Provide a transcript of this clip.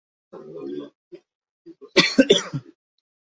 সেইটির নাশ কেউ করতে পারেনি বলেই জাতটা এত সয়ে এখনও বেঁচে আছে।